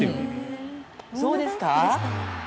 そうですか？